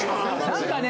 何かね。